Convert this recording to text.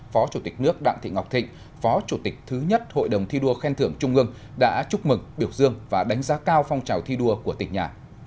phó chủ tịch nước đặng thị ngọc thịnh phó chủ tịch thứ nhất hội đồng thi đua khen thưởng trung ương đã chúc mừng biểu dương và đánh giá cao phong trào thi đua của tỉnh nhà